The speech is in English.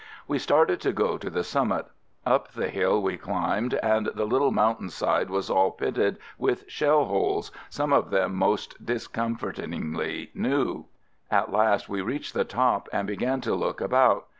We started to go to the summit. Up the hill we climbed and the little mountain side was all pitted with shell holes, — some of them most discomfort ingly new. At last we reached the top and began to look about.